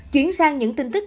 chuyển sang những tin tức